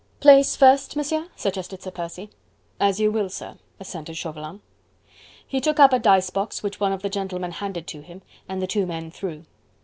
"Place first, Monsieur?" suggested Sir Percy. "As you will, sir," assented Chauvelin. He took up a dice box which one of the gentlemen handed to him and the two men threw.